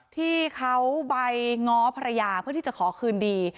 ที่เขาไปง้อภรรยาเพื่อที่จะขอคืนดี